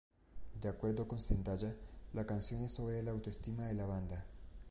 De acuerdo con Zendaya, la canción es sobre la autoestima de la banda.